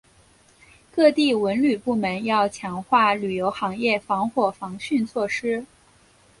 各地文旅部门要强化旅游行业防火防汛措施